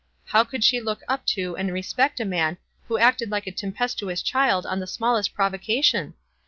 How could she look up to and respect a mau who acted like a tempestuous child on the smallest provocation?